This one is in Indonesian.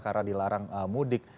karena dilarang mudik